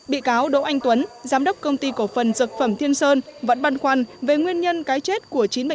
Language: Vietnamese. bị cáo đỗ anh tuấn giám đốc công ty cổ phần dược phẩm thiên sơn vẫn băn khoăn về nguyên nhân cái chết của chín mươi bảy